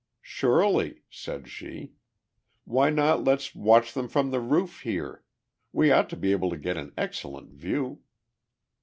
"Surely," said she. "Why not let's watch them from the roof here? We ought to able to get an excellent view."